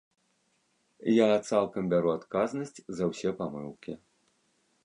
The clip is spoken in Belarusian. Я цалкам бяру адказнасць за ўсе памылкі.